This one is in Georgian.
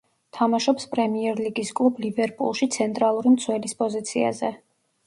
თამაშობს პრემიერლიგის კლუბ „ლივერპულში“ ცენტრალური მცველის პოზიციაზე.